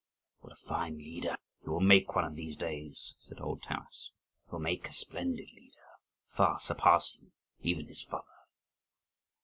"What a fine leader he will make one of these days!" said old Taras. "He will make a splendid leader, far surpassing even his father!"